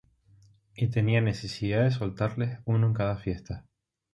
Y tenía necesidad de soltarles uno en cada fiesta.